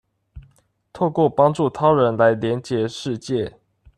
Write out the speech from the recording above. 透過幫助他人來連結世界